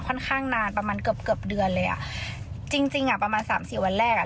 ค่อนข้างนานประมาณเกือบเกือบเดือนเลยอ่ะจริงจริงอ่ะประมาณสามสี่วันแรกอ่ะ